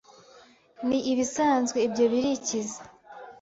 Ni ibisanzwe ibyo. Birikiza,